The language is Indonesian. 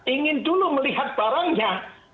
ingin dulu melihat barangnya